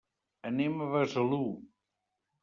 Anem a Besalú.